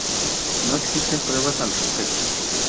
No existen pruebas al respecto.